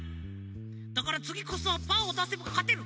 だからつぎこそはパーをだせばかてる。